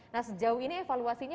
nah sejauh ini evaluasinya